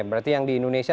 berarti yang di indonesia